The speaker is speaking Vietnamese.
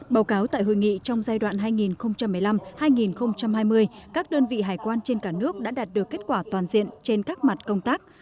báo cáo tại hội nghị trong giai đoạn hai nghìn một mươi năm hai nghìn hai mươi các đơn vị hải quan trên cả nước đã đạt được kết quả toàn diện trên các mặt công tác